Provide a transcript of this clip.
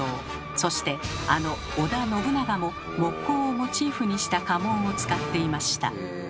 そしてあの織田信長も木瓜をモチーフにした家紋を使っていました。